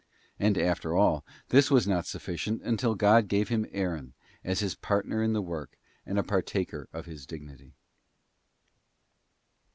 And after all, this was not sufficient until God gave him Aaron, as his partner in the work, and a partaker of his dignity.